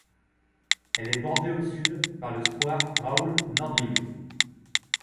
Elle est bordée au sud par le square Raoul-Nordling.